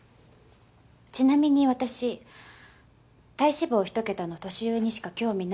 ちなみに私体脂肪１桁の年上にしか興味ないので。